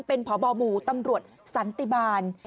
เป็นพบหมู่ตำรวจสันติบาล